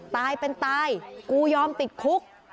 ตายเป็นตายกูยอมติดคุก